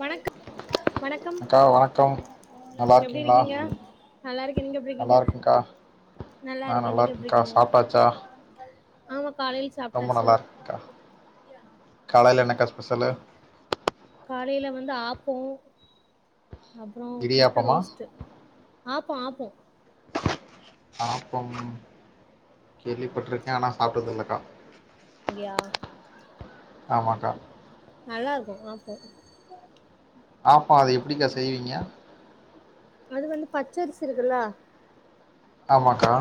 வணக் வணக்கம் அக்கா வணக்கம் நல்லா எப்டி இருக்கீங்களா இருக்கீங்க நல்லா இருக்கே நீங்க நல்லா எப்ட்ருக்கீங்க இருக்கேன்க்கா நல்லா நா இருக்கே நீங்க இருக்கேன்க்கா எப்ட்ருக்கீங்க சாப்ட்டாச்சா ரொம்ப நல்லா இருக்குக்கா காலைல என்னக்கா ஸ்பெஷலு காலைல வந்து ஆப்போ அப்றோ முட்ட இடியாப்பமா ரோஸ்ட்டு ஆப்போ ஆப்போ ஆப்பம் கேள்விப்பட்ருக்கே ஆனா சாப்டது இல்லக்கா ங்யா ஆமாக்கா நல்லா இருக்கூ ஆப்போ ஆப்பம் அத எப்டிக்கா செய்விங்க அது வந்து பச்சரிசி இருக்குல்ல ஆமாக்கா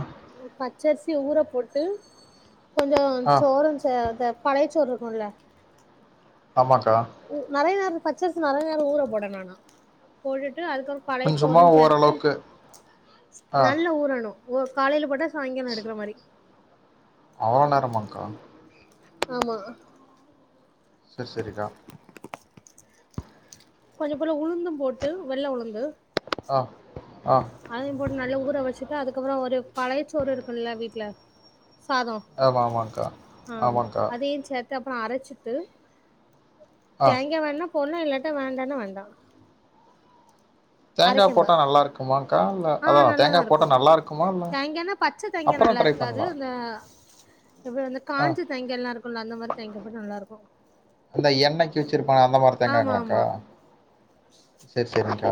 பச்சரிசிய ஊற போட்டு கொஞ்சோ ஆ சோளம் சே சே பழையச்சோறு இருக்குல ஆமாக்கா நெறைய நேர பச்சரிசி நெறைய நேர ஊற போட வேணா போட்டு ட்டு அதுக்கப்புற கொஞ்ச சும்மா பழையசோறு சேத்து ஓரளவுக்கு ஆ நல்ல ஊறணு ஓ காலைல போட்டா சாயங்கால எடுக்குற மாரி அவ்ள நேரமாங்க்கா ஆமா சர் சரிக்கா கொஞ்சம் போல உளுந்தும் போட்டு வெள்ள உளுந்து ஆ ஆ அதையு போட்டு நல்ல ஊற வெச்சுட்டு அதுக்கப்புற ஒரு பழையச்சோறு இருக்குல்ல வீட்ல சாதோ அ மாமாக்கா ஆமாக்கா தெப்றா அரச்சிட்டு ஆ தேங்கெ வேண்ணப் ஒன்னு இல்லட்ட வேண்டனா வேண்டா தேங்கா அரைக்கம்ப போட்டா நல்லார்க்குமாங்கா இல்ல ஆ அதா நல்லாதா தேங்கா போட்டா இருக்கு நல்லார்க்குமா இல்ல தேங்கானா பச்ச தேங்கா அப்புறொ ட்ரை பண்லா துபே வந்து காஞ்சி தேங் எல்லா இருக்குல்ல அந்த மரு தேங்க போட் நல்லாருக்கு அந்த எண்ணெய்க்கு வச்சிருப்பானே அந்த மாரி ஆம தேங்காங்களாக்கா ஆமா சேரி சேரிங்க்கா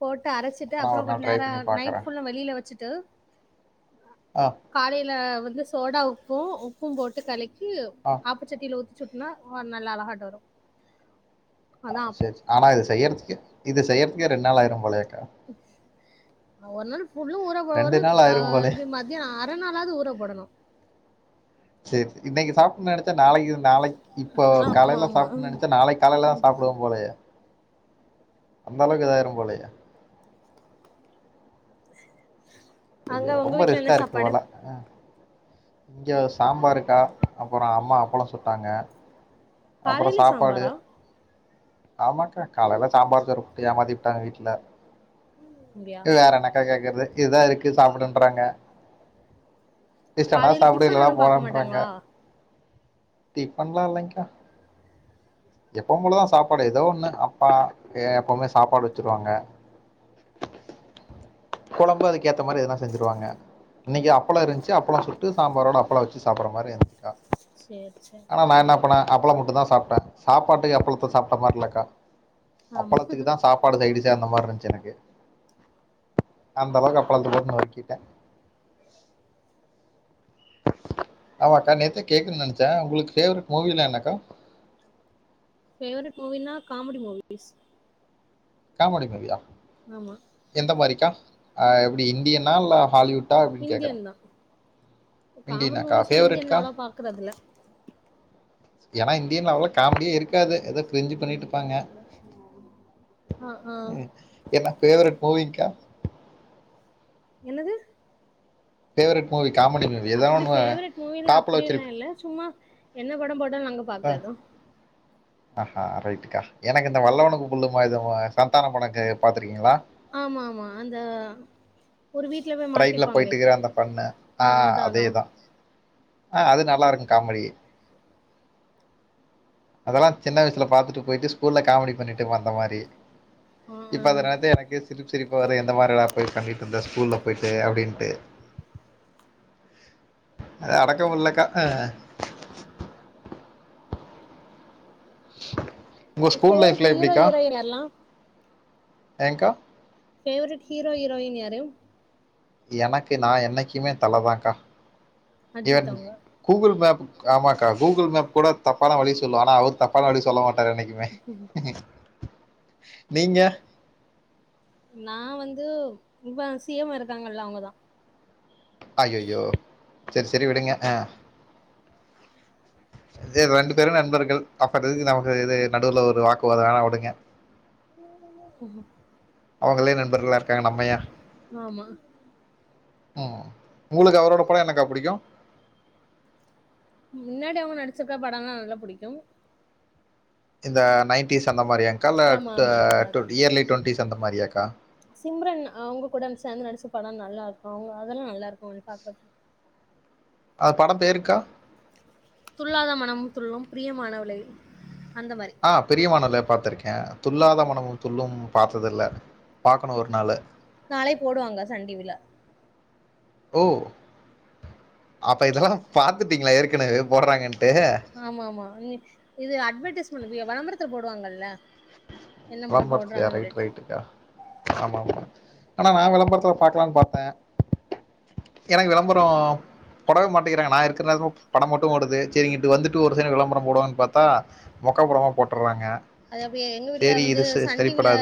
போட் டு அரச்சிட்டு அப்ப நா அப்றோ ஒரு நாள் கொட் ட்ரை நேர பண்ணி பாக்குறே நைட் ஃபுல்லு வெளில வச்சிட்டு ஆ காலைல வந்து சோடா உப்பு உப்பும் போட்டு கலக்கி ஆ ஆப்பச்சட்டில ஊத்தி சுப்னா ஓ நல்ல அழகாட் வரு சேர்ஸ் ஆனா இது செய்யற்த்துக்கே இது செய்யற் இங்கே ரெண்னால் ஆயிரு போலயேக்கு ஒரு நள் ஃபுல்லு ஊற ரெண்டு போடரு நாள் அ ஆயிரும் போலயே இது மத்யான அரநாளாது ஊற போடணு சேர் இன்னைகு சாப்பிடனு நெனைச்சா நாளைக்கு நாளைக்கு இப்போ ஆமா காலைல ஆமா சாப்புட்னு நெனைச்சா நாளைக் காலைலதா சாப்புடுவோ போலயே அந்த அளவுக்கு இதாயிரு போலயே அங்க ஐயோ உங்க ரொம்ப வீட்ல என்ன ரிஸ்க்கா இருக்கு சாப்பாடு போல ம் இங்க சாம்பாருக்கா அப்பறோ அம்மா அப்பள சுட்டாங்க அப்புறோ காலைலே சாப்பாடு சாம்பாரா ஆமாக்கா காலைல சாம்பார் சோறு போட்டு ஏமாத்திபுட்டாங்க வீட்ல அப்டியா வேற என்னக்கா கேக்கறது இதுதா இருக் கு சாப்புடுன்றாங்க இஷ்டனா காலையில சாப்ட்டு டிஃபன் இல்லனா ஒன்னும் பாக்க போலான்றாங்க மாட்டாங்களா டிஃபன்லா இல்லயிங்கா எப்பவு போலதா சாப்பாடு ஏதோ ஒன்னு அப்பா ஏ எப்போமே சாப்பாடு வச்சிருவாங்க கொழம்பு அதுக்கேத்த மாரி எதனா செஞ்சுருவாங்க இன்னிக்கி அப்பள இருஞ்சு அப்பளம் சுட்டு சாம்பாரோட அப்பள வெச்சு சாப்பிடுற மாரி [inaudible] சேரி சேரி ஆனா நா என்னா பண்ணே அப்பளம் மட்டுந்தா சாப்டே சாப்பாட்டுக்கு அப்பளத்த சாப்ட்ட மாரில்லக்கா ஆமா அப்பளத்துக்குதா சாப்பாடு சைட்டிஷ் ச அந்த மாரிந்துஞ்சு எனக்கு அந்தளவுக்கு அப்பளத்த போட்டு நொறுக்கீட்ட ஆமாகா நேதே கேக்குன்னு நெனச்சா உங்குளுக்கு ஃபேவரைட் மூவிலா என்னாகா ஃபேவரைட் மூவினா காமெடி மூவிஸ் காமெடி மூவியா ஆமா சா ஆ நி இந்தியனா இல்ல ஹாலிவுட்டா அப்டின் கேக்கற இந்தியன் தான் காமெடி இந்தியனாகா மூவிஸ்னா இந்தியன்ல ஃபேவரைட்கா அவ்ளவா பாக்குறதுல்ல ஏனா இந்தியன்லா அவ்ளோ [inaudible] ம் என்ன ஃபேவரைட் மூவி க்யா என்னது ஃபேவரைட் மூவி காமெடி மூவி ஏதாவது அப்டி ஒன்று ஃபேவரெட் மூவிலா டாப்ல அப்படி எல்லா வச்சிருப்பீங்க இல்ல சும்மா என்ன படம் போட் டாலு நாங்க பாக்றதுதா அஹா ரைட்டுக்கா எனக்கு இந்த வல்லவனுக்கு புல்லும் ஆயுதம் சந்தானம் படம் க பாத்ருக்கீங்களா ஆம்மாம்மா அந்த ஒரு வீட்ல போய் ட்ரெயின்ல மாட்டிப்பாங்களே! போயிட்டுக்கிற அந்த பொண்ணு ஆ அதான், அதான். அதேதா ஆ அது நல்லாருக்கு காமெடி அதெல்லா சின்ன வயசுல பாத்துட்டு போயிட்டு ஸ்கூல்ல காமெடி பண்ணிட்டு இருப்போ அந்த மாரி ஆ, இப்ப ஆ. அத நெனச்சா எனக்கே சிரிப் சிரிப்பு வரு இந்த மாரி லா போய் பண்ணிட்டு இருந்த ஸ்கூல்ல போயிட்டு அப்டின்ட்டு அது அடக்கமுடில்லக்கா [inaudible] ஃபேவரட் லைஃப்பில் ஹீரோ எப்படிக்கா ஹீரோயின் எல்லா ஏங்க்கா ஃபேவரட் ஹீரோ ஹீரோயின் யாரு எனக்கு நா என்னைக்கிமே தல தாக்கா ஈவன் அஜித் அவங்க. கூகுள் மேப் ஆமாக்கா கூகுள் மேப் கூட தப்பான வழி சொல்லு ஆனா அவரு தப்பான வழி சொல்ல மாட் ட்டாரு என்னைக்கிமே நீங்க நா வந்து இப்ப சி எம் மா இருக்காங்கல்ல அவங்கதா அய்யய்யோ சேரி சேரி விடுங்க அ சேரி ரெண்டு பேரு நண்பர்கள் அப்பற எதுக்கு நமக்கு இது நடுவுல ஒரு வாக்குவாத வேணா விடுங்க அவங்களே நண்பர்களா அவங்களே நண்பர்களா நம்ம இருக்காங்க ஏன்? நம்ப யா ஆம்மா ம் உங்ளுக்கு அவரோட படம் என்னக்கா புடிக்கு முன்னடி அவங்க நடிச்சிருக்க படம் லா நல்லா புடிக்கு இந்த நயன்டிஸ் அந்த மாரியாங்க்கா இல்ல ஆமா, ஆமா. அந்த மாரி டு தான். இயர்லி டுவென்டிஸ் அந்த மாரியாங்க்கா சிம்ரன் அவங்க கூட சேர்ந்து நடிச்ச படம் நல்லாருக்கும். அவங்க அதெல்லா நல்லா இருக்கு அது பாக்றதுக்கு அது படம் பேருக்கா துள்ளாத மனமும் துள்ளும் பிரியமானவளே அந்த மாரி. ஆ பிரியமானவளே பாத்துருக்கே துள்ளாத மனமும் துள்ளும் பாத்ததில்ல பாக்கணு ஒரு நாளு நாளை போடுவாங்க சன் டிவில ஓ அப்ப இதெல்லா பாத்துட்டீங்களா ஏற்கனவே போட்றாங்கனு ஆம்மாமா நீ இது அட்வர்டைஸ்மெண்ட் ல வெளம்பரத் த்திரு போடுவாங்கல்ல என்ன படம் லம்பத்துலையா போடுறாங்கன்னு ரைட் சொல்லிட்டு ரைட்டுக்கா ஆமா ஆமா ஆனா நா விளம்பரத்துல பாக்லாம்ன் பாத்தேன் எனக்கு விளம்பரோம் போடவே மாட்டிக்கிறாங் நா இருக்குறனு படம் மட்டும் ஓடுது சேரிங்கன்ட்டு வந்துட்டு ஒரு சைடு விளம்பரம் போடுவான் பாத்தா மொக்க படமா போட்டுட்றாங்க அது அப்டியே எங்க வீட் ல வந்து சன் டிவி ல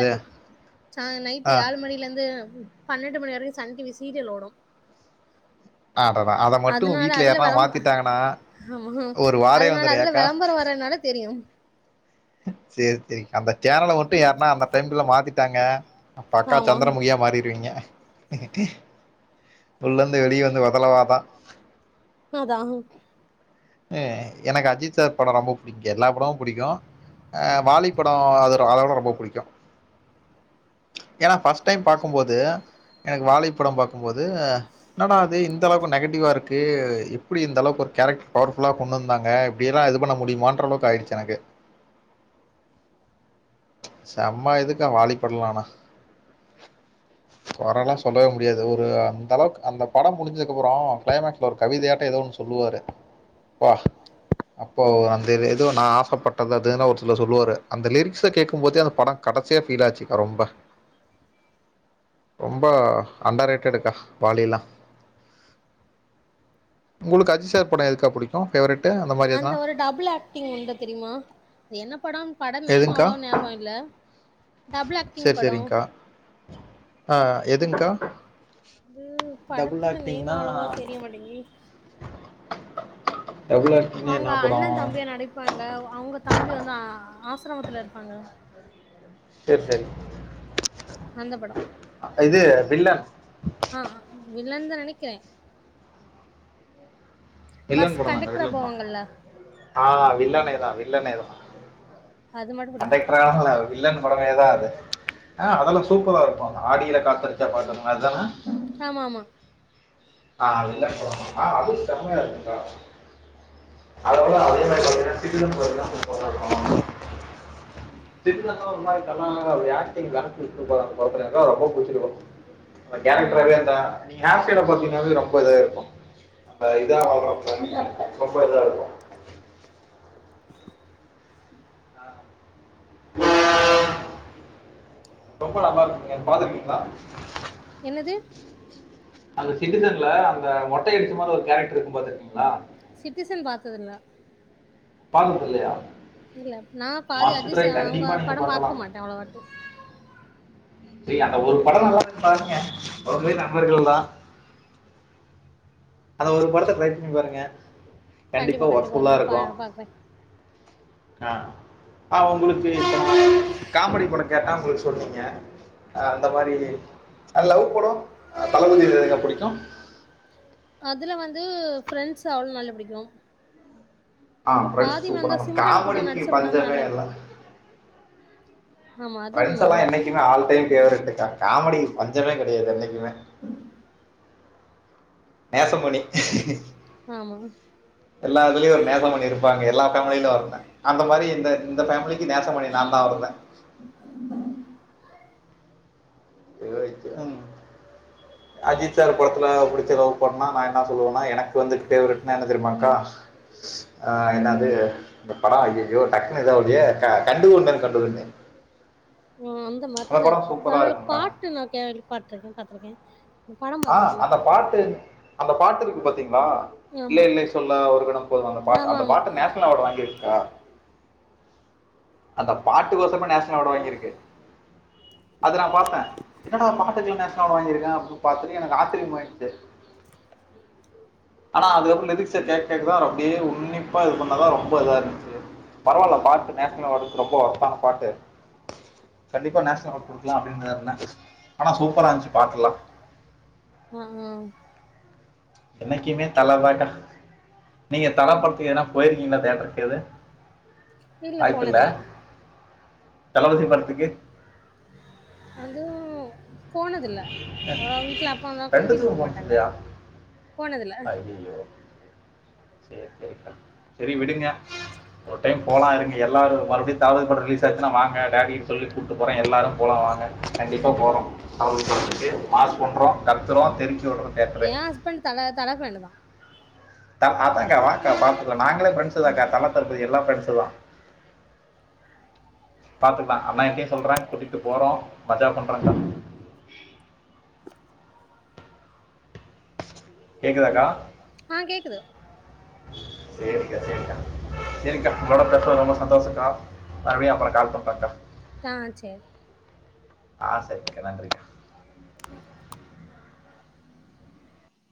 சான் நைட்டு ஆ ஏழ் மணிலர்ந்து பண்னெண்டு மணி வரயு சன் டிவி சீரியல் ஓடும் ஆடா அதை மட்டும் அதுனால வீட்டில் அதுல யாருனா விளம் அ மாத்திட்டாங்கன்னா ஆமா ஒரு வாரே அதுனால வந்துடும் அதுல ஏக்கா வேளம்பரோம் வரன்னால தெரியும் ஹ சேரி சேரி அந்த சேனல மட்டும் யார்ன்னா அந்த டைம்க்குல மாத்திட் ட்டங்க அப்ப அக்கா ஆமா சந்திரமுகியா மாறிருவீங்க உள்ளந்து வெளியே வந்து பாத்தாலுபாத்த அதா எ எனக்கு அஜித் சார் படோ ரொம்ப புடிக் எல்லா படமு புடிக்கு ஆ வாளிப்படோ அது ரொ அதவிட ரொம்ப புடிக்கு ஏனா ஃபர்ஸ்ட் டைம் பாக்கும் போது எனக்கு வாளிப்படம் பாக்கும்போது என்னடா இது இந்த அளவுக்கு நெகட்டிவாருக்கு எப்படி இந்த அளவுக்கு ஒரு கேரக்ட்ரு பவுர்ஃபுல்லா கொண்டுந்தாங்க இப்டியெல்லா இது பண்ண முடியுமான்ற அளவுக்கு ஆயுடுச்சு எனக்கு செம்மா இதுக்கு வாலிப்பட்லாம்மா கொரலா சொல்லவே முடியாது ஒரு அந்த அளவுக்கு அந்த படம் முடிஞ்ச கப்புறோ கிளைமக்ஸ்ல ஒரு கவிதையாட்டோ ஏதோன்னு சொல்லுவாரு ப்பா அப்போ அந்த [unintelligible] து நா ஆசப்பட்டது அதுன்னு ஒர் சில சொல்லுவாரு அந்த லிரிக்ஸ்ஸ கேக்கு போதே அந்த படம் கடைசியா ஃபீல் ஆச்சு கா ரொம்ப ரொம்ப அண்டரேட்டடுக்கா வாலியில்லா உங்குளுக்கு அஜி சார் படோ எதுக் அந்த ஒரு டபுள் ஆக்ட்டிங் உண்டு தெரியுமா அது என்ன படோம் படம் நேம்மு எதுங்க்கா அவ்ளோ ஞாபகோ இல்ல டபுள் ஆக்ட்டிங் சேரி படோ சேரிங்க்கா ஆ எதுங்க்கா. அதூ டபுள் படத்துக்கு நேம் ஆக்டிங்னா அவ்ளவா தெரிய மாட்டிங்கி டபுள் ஆக்டிங்னா அவுங்க என்ன படோ அண்ணந்தம்பியா நடிப்பாங்க அவுங்க தம்பி வந்து அ ஆஸ் ஆஸ்ரமத்துலருப்பாங்க சேரி சேரி அந்த படோ இது வில்லன் ஆ ஆ ம் ம் வில்லன்தா நெனைக்றே பஸ் வில்லன் படந்தாங்க கண்டெக்டரா வில்லன் படோ போவாங்கல்ல ஆ வில்லனேதா வில்லனேதா அது மட்டு புடிக்கு கண்டெக்டரான்னுல்ல வில்லன் படமே தா அது ஆ அதெல்லா சூப்பராருக்கு அ ஆடியில காத்தடிச்சா பாட்டு [unintelligible] ஆமா ஆமா ஆ அதுவு ஆ அதும் செம்மயாருக்கு கா அத விட அதே மாறி பாத்திங்னா சிட்டிசன்னு சூப்பராருக்கூம் [unintelligible] சிட்டிசன் லா ஒர் மாறி நல்லாதாங்கர்கும் அவர் ஆக்ட்டிங் ஆக்ட்டிங் எங்கக்காக்கு ரொம்ப புடிச்ச படோ அந்த ஆ கேரக்ட்ராவே அந்த [unintelligible] ரொம்ப இதா இருக்கு நம்ப இதா வரோ அது இதா ரொம்ப இதா இருக்கு ரொம்ப நல்லா இருக்குங்க பாத்துஇருக்கீங்களா என்னது அந்த சிட்டிசன்ல அந்த மொட்டை அடிச்ச மாரி ஒரு கேரக்டர் இருக்கு பாத்துருக்கீங்களா சிட்டிசன் பாத்ததில்லா பாக்குரது இல்லையா இல்ல நா பாதி மாஸ்டர் ட்ரை அஜித்சார் அவங்க கண்டிப்பாக நீங்கள் படம் பாக்க பார்க்கலாம் மாட்டே அவ்வளவாட்டு சரி அந்த ஒரு படோ நல்லா இருக்கு பாருங்க அவங்களே நண்பர்கள் தா அந்த ஒரு படத்த டிரை பண்ணி பாருங்க கண்டிப்பா கண்டிப்பாக கண்டிப்பா ஒரு ஒர்க்ஃபுல்லாக நாள் பா- இருக்கும் பாக்கறே ஆ அ உங்ளுக்கு இப்ப காமெடி படொ கேட்டா உங்ளுக்கு சொன்னீங்க அ- அந்த மாரி ஆ லவ் படம் தளபதிது எது புடிக்கு அதுல வந்து ஃபிரெண்ட்ஸ் [unintelligible] நல்ல பிடிக்கு ஆ பிரெண்ட்ஸ் சூப்ப ரான கூட காமெடிக்கு நடிச்ச படோ பஞ்சமே நெற இல்ல ஆமா அது பிரெண்ட்ஸ் உண்மதா எல்லாம் என்னைக்குமே ஆல் டைம் பேவரட்டுக்கா காமெடிக்கு பஞ்சமே கெடையாது என்னைக்குமே நேசமணி ஆமாங்க எல்லா இதுலயும் ஒரு நேசமணி இருப்பாங்க எல்லா பேமிலிலு அந்த மாரி இந்த பேமிலி நேசமணி நா தா [unintelligible] [unintelligible] அஜித் சார் படத்துல புடிச்ச லவ் படனா நா என்னா சொல்லுவேனா எனக்கு வந்து பேவரட் ன்னா என்ன தெரியுமாக்கா ஆ என்னாது இந்த படம் ஐய்யயோ டக்குன்னு இதாவுதே ஆ கண்டு கொண்டேன் கண்டு கொண்டேன் ஆ அந்த மத்த படம் சூப்பராக அதுல உள்ள இருக்கும்க்கா பாட்டு நா கே-பாத்துருக்கேன் பாத்துருக்கேன் ஆ அந்த பாட்டு அந்த பாட்டு இருக்கு பாத்தீங்களா இல்லை ஆமா இல்லை சொல்ல ஒரு கணம் போதும் அந்த பாட்டு ஆமா அந்த ஆமா பாட்டு நேஷனல் அவார்டு வாங்கிருக்கு ஆ அந்த பாட்டுக்கோசமே நேஷனல் அவார்டு வாங்கிருக்கு அது நா பாத்தே என்னடா பாட்டுக்குலா நேஷனல் அவார்டு வாங்கிருக்கா பாத்துட்டு எனக்கு ஆச்சிரியமாயிருச்சு ஆனா அதுக்கப் லிரிக்ஸ கேக்க கேக்க தா அப்டியே உன்னிப்பா இது பண்ண தா ரொம்ப ரொம்ப இதாருந்துச்சு பரவால்ல பாட்டு நேஷனல் அவார்டுக்கு ரொம்ப ஓர்த்தான பாட்டு கண்டிப்பா நேஷனல் அவார்டு குடுக்கலா அப்பிடினுதா இருந்தே ஆனா சூப்பராந்துச்சு பாட்டுலா ம் ம் என்னைக்குமே தலதா க்கா நீங்க தல படத்து எதனா போயிருக்கீங்களா தேட்ரு எத இல்ல இல்ல போனதுல்ல தளபதி படத்துக்கு அதுவும் போனதில்ல அவ்ளவா வீட்ல அப்பாலா கூட்டிட்டு போ மாட்டாங்க போனதில்ல அய்யய்யோ சேரி சேரிக்கா சரி விடுங்க ஒரு டைம் போலா இருங்க எல்லாரு மறுபடியு [unintelligible] படம் ரிலீஸ் ஆச்சுன்னா வாங்க டேடி சொல்லி கூப்ட்டு போறே எல்லாரு போலா வாங்க கண்டிப்பா போறோ [unintelligible] மாஸ் பண்றோம கத்தரோ தெறி ஏன் ஹஸ்பண்ட் தல தல ஃபேனு தா [unintelligible] வாங்க்கா பாத்துக்கலா நாங்க அன் ம் இன்டெலிஜிபிள் பிரெண்ட்செல்லா பாத்துக்கலா ஆனா [unintelligible] சொல்றே கூட்டிட்டு போறோ மஜா பண்றோ க்கா கேக்குதாக்கா ஆ கேக்குது சேரிக்கா சேரிக்கா செரிக்கா உங்களோட பேசுனதுல ரொம்ப சந்தோஷ கா மறுபடியு அப்ற கால் பண்றன்க்கா ஆ செரி ஹா செரிக்கா நன்றிக்கா